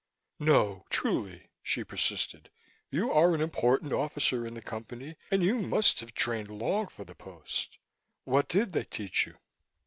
"No, truly," she persisted. "You are an important officer in the Company, and you must have trained long for the post. What did they teach you?"